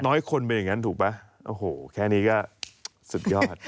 น้อยคนเป็นอย่างนั้นถูกไหมโอ้โหแค่นี้ก็สุดยอด